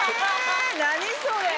何それ！